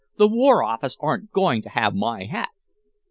"The War Office aren't going to have my hat."